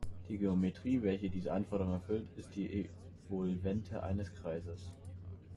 Die Geometrie, welche diese Anforderungen erfüllt, ist die Evolvente eines Kreises.